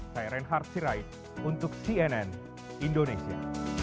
saya reinhard sirait untuk cnn indonesia